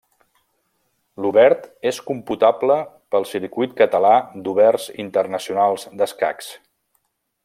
L'Obert és computable pel Circuit Català d'Oberts Internacionals d'Escacs.